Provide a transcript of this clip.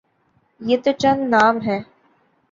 یہ تو چند نام ہیں۔